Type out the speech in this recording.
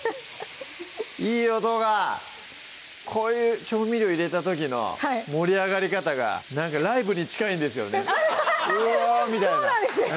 いい音がこういう調味料入れた時の盛り上がり方がなんかライブに近いんですよねうぉみたいな